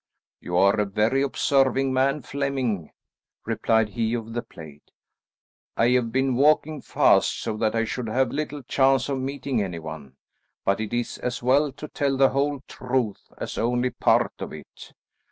"You are a very observing man, Flemming," replied he of the plaid. "I have been walking fast so that I should have little chance of meeting any one. But it is as well to tell the whole truth as only part of it.